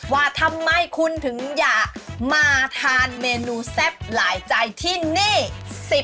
ว่าทำไมคุณถึงอยากมาทานเมนูแซ่บหลายใจที่นี่